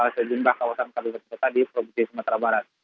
sejumlah kawasan kabupaten kota di provinsi sumatera barat